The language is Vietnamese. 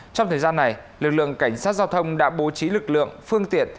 trong thời gian này lực lượng cảnh sát giao thông đã bố trí lực lượng phương tiện